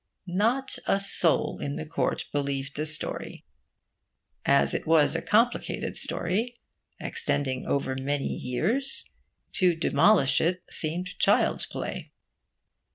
Not a soul in court believed the story. As it was a complicated story, extending over many years, to demolish it seemed child's play.